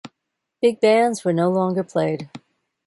Big bands were no longer played.